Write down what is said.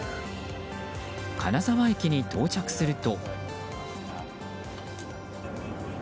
金沢駅に到着すると。